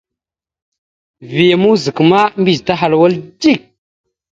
Vya mouzak ma mbiyez tahal wal dik.